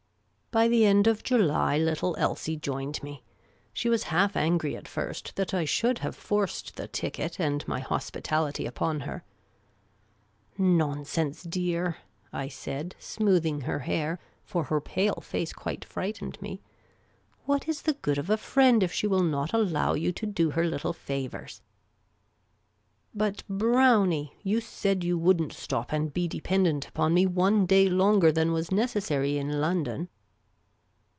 By the end of July, little Klsie joined me. She was half angry at first that I vshould have forced the ticket and my ho.spitality upon her. " Nonsense, dear," I said, .smoothing her hair, for her pale face quite frightened me. " What is ^lie good of a friend if she will not allow you to do her little favours ?''" But, Brownie, you said you would n't .stop and be de pendent upon me one day longer than was neces.sary in London."